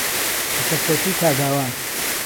لەسەرچۆپی تا گاوان